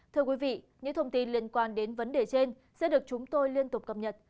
thưa quý vị những thông tin liên quan đến vấn đề trên sẽ được chúng tôi liên tục cập nhật